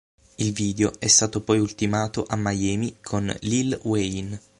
Il video è stato poi ultimato a Miami con Lil Wayne.